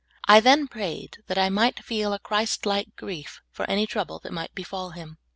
I then prayed that I might feel a Christ like grief for an}' trouble that might befall him.